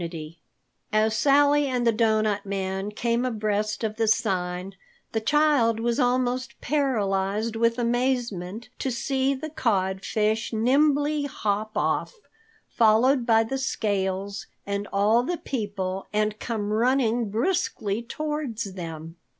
[Illustraion: Sally and Doughnut man looking at Codfish] As Sally and the Doughnut Man came abreast of the sign, the child was almost paralyzed with amazement to see the Codfish nimbly hop off, followed by the scales and all the people, and come running briskly towards them.